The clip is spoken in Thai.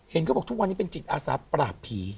เห็นก็บอกทุกวันนี้เป็นจิตอาสาประหลาดผี